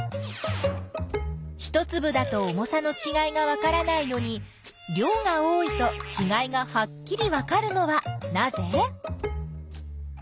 一つぶだと重さのちがいがわからないのに量が多いとちがいがはっきりわかるのはなぜ？